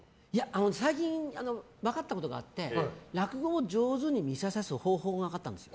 最近、分かったことがあって落語を上手に見せる方法が分かったんですよ。